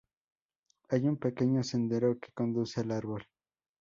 Hay un pequeño sendero que conduce al árbol.